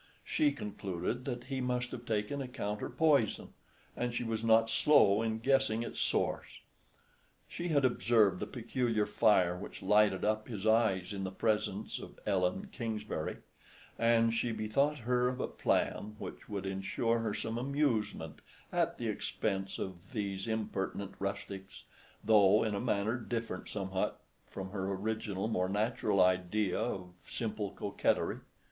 She concluded he must have taken a counter poison, and she was not slow in guessing its source. She had observed the peculiar fire which lighted up his eyes in the presence of Ellen Kingsbury, and she bethought her of a plan which would ensure her some amusement at the expense of these impertinent rustics, though in a manner different somewhat from her original more natural idea of simple coquetry.